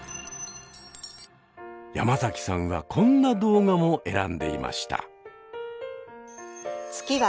山崎さんはこんな動画も選んでいました。